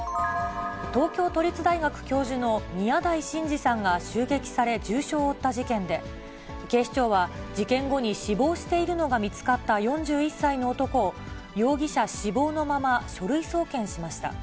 東京都立大学教授の宮台真司さんが襲撃され、重傷を負った事件で、警視庁は事件後に死亡しているのが見つかった、４１歳の男を、容疑者死亡のまま書類送検しました。